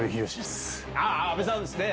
阿部さんですね。